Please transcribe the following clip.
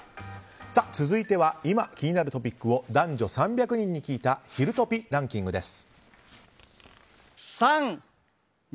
続いては今、気になるトピックを男女３００人に聞いたひるトピランキングです。